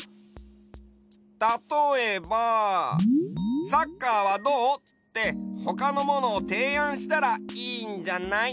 たとえば「サッカーはどう？」ってほかのものをていあんしたらいいんじゃない？